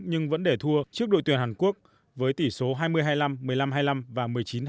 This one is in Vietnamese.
nhưng vẫn để thua trước đội tuyển hàn quốc với tỷ số hai mươi hai mươi năm một mươi năm hai mươi năm và một mươi chín hai mươi